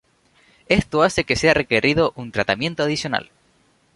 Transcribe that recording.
Esto hace que sea requerido un tratamiento adicional.